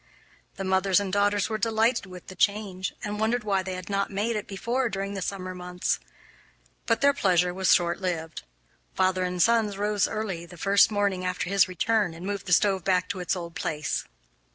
The mother and daughters were delighted with the change, and wondered why they had not made it before during the summer months. But their pleasure was shortlived. Father and sons rose early the first morning after his return and moved the stove back to its old place.